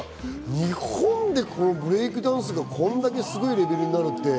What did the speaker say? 日本でブレイクダンスがこんだけすごいレベルになるって。